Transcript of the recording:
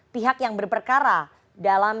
pihak yang berperkara dalam